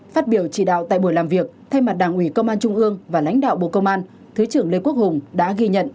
phát biểu chỉ đạo tại buổi làm việc thay mặt đảng ủy công an trung ương và lãnh đạo bộ công an thứ trưởng lê quốc hùng đã ghi nhận